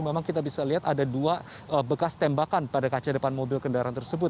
memang kita bisa lihat ada dua bekas tembakan pada kaca depan mobil kendaraan tersebut